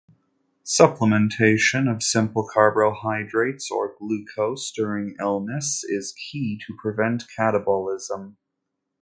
Supplementation of simple carbohydrates or glucose during illness is key to prevent catabolism.